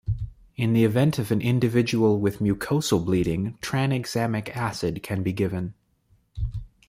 In the event of an individual with mucosal bleeding tranexamic acid can be given.